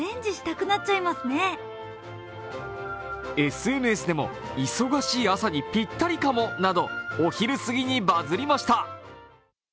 ＳＮＳでも、忙しい朝にぴったりかもなどお昼過ぎにバズりました。